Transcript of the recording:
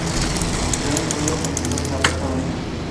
El único hilo conductor es la protagonista.